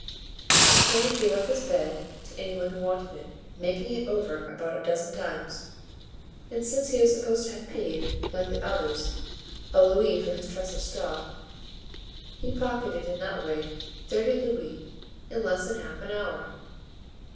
D'Artagnan gave up his bed to any one who wanted it, making it over about a dozen times; and since he was supposed to have paid, like the others, a louis for his truss of straw, he pocketed in that way thirty louis in less than half an hour.